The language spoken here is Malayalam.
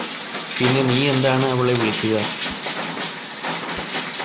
പിന്നെ നീയെന്താണ് അവളെ വിളിക്കുക